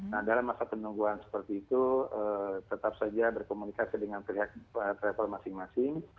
nah dalam masa penungguan seperti itu tetap saja berkomunikasi dengan pihak travel masing masing